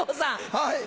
はい！